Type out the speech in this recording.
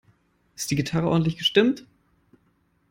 Ist die Gitarre ordentlich gestimmt?